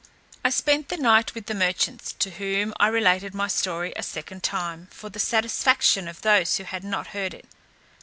I spent the night with the merchants, to whom I related my story a second time, for the satisfaction of those who had not heard it.